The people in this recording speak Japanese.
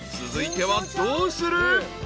続いてはどうする？］